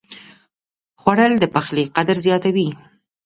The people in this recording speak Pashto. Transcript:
خوړل د پخلي قدر زیاتوي